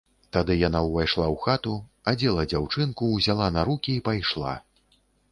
Тады яна ўвайшла ў хату, адзела дзяўчынку, узяла на рукі і пайшла.